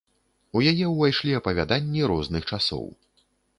У яе ўвайшлі апавяданні розных часоў.